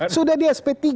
sudah di sp tiga